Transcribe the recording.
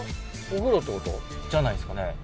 お風呂ってこと？じゃないですかね？